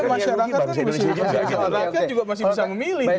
rakyat juga masih bisa memilih